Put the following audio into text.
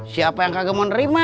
siapa yang kagak mau nerima